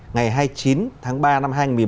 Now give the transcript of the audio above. ngày hai mươi chín tháng ba năm hai nghìn một mươi bảy